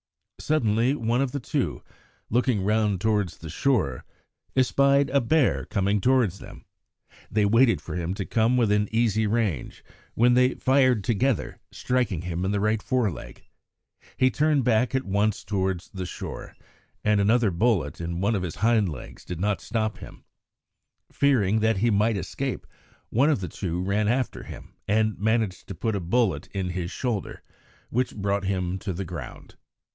Suddenly one of the two, looking round towards the shore, espied a bear coming towards them. They waited for him to come within easy range, when they fired together, striking him in the right foreleg. He turned back at once towards the shore, and another bullet in one of his hind legs did not stop him. Fearing that he might escape, one of the two ran after him and managed to put a bullet in his shoulder, which brought him to the ground.